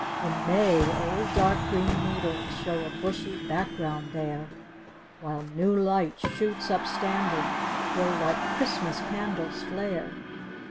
In May old dark green needles show a bushy background there While new light shoots upstanding, grow like Christmas candles' flare.